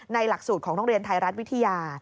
หลักสูตรของโรงเรียนไทยรัฐวิทยา